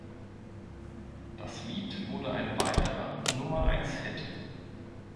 Das Lied wurde ein weiterer Nummer-eins-Hit.